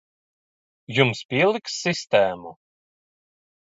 Jums pieliks sistēmu.